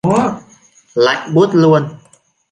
Lạnh buốt luôn